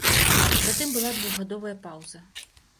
Затым была двухгадовая паўза.